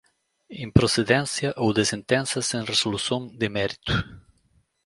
improcedência ou de sentença sem resolução de mérito